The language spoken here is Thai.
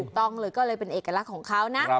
ต้องเลยก็เลยเป็นเอกลักษณ์ของเขานะ